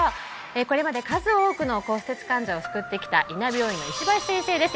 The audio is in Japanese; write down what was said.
これまで数多くの骨折患者を救ってきた伊奈病院の石橋先生です